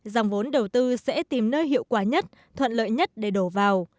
dòng vốn đầu tư sẽ tìm nơi hiệu quả nhất thuận lợi nhất để đổ vào